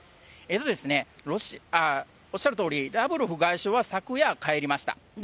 おっしゃるとおり、ラブロフ外相は昨夜、帰りました。